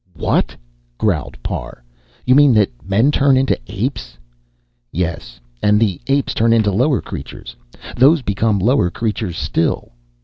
"What?" growled Parr. "You mean that men turn into apes?" "Yes. And the apes turn into lower creatures. Those become lower creatures still."